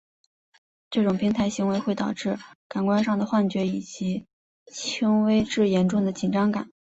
这种病态行为会导致感官上的幻觉及轻微至严重的紧张症。